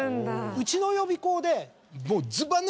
うちの予備校で。